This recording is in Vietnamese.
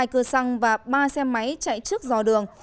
hai cửa xăng và ba xe máy chạy trước dò đường